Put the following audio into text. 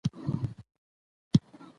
او د هغو ته د رسېدو لپاره قوي،